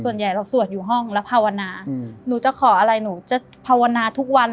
ส่วนใหญ่เราสวดอยู่ห้องแล้วภาวนาหนูจะขออะไรหนูจะภาวนาทุกวัน